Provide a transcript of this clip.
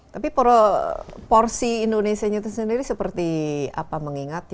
tapi porsi indonesia itu sendiri seperti apa mengingatnya